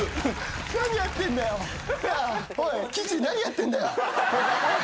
何やってんだよ！